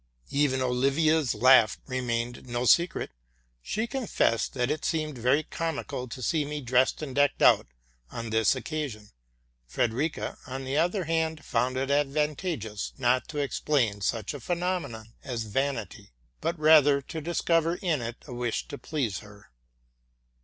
Even Olivia's laugh remained no secret: she confessed that it seemed very comical to see me dressed and decked out on this occasion. Frederica, on the other hand, found it advantageous not to explain such a phe nomenon as vanity, but rather to discover in it a wish to please her.